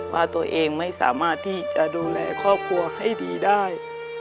ว่าตัวเองไม่สามารถที่จะดูแลครอบครัวให้ดีได้